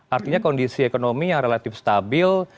artinya kondisi ekonomi yang relatif stabil